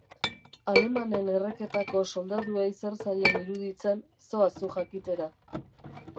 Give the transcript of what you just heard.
Alemanen erreketako soldaduei zer zaien iruditzen, zoaz zu jakitera.